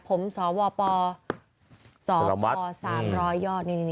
ผมสพสพสามร้อยยอด